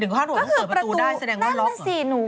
ถึงข้างหลังต้องเปิดประตูได้แสดงว่าล็อกเหรอ